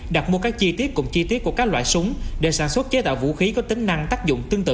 đặt mua các chi tiết cùng chi tiết của các loại súng để sản xuất chế tạo vũ khí có tính năng tác dụng tương tự